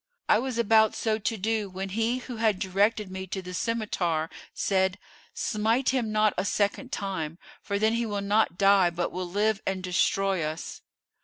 I was about so to do when he who had directed me to the scymitar said, 'Smite him not a second time, for then he will not die but will live and destroy us!